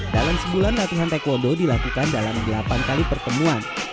dalam sebulan latihan taekwondo dilakukan dalam delapan kali pertemuan